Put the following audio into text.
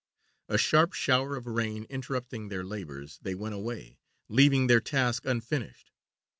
A sharp shower of rain interrupting their labours, they went away, leaving their task unfinished.